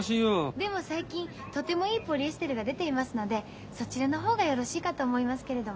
でも最近とてもいいポリエステルが出ていますのでそちらの方がよろしいかと思いますけれども。